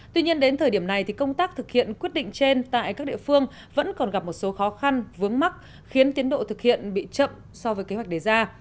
tuy nhiên đến thời điểm này thì công tác thực hiện quyết định trên tại các địa phương vẫn còn gặp một số khó khăn vướng mắt khiến tiến độ thực hiện bị chậm so với kế hoạch đề ra